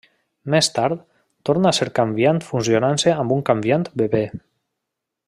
Més tard, torna a ser canviant fusionant-se amb un canviant bebè.